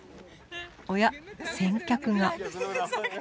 おや先客が。